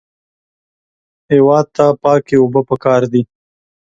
هېواد ته پاکې اوبه پکار دي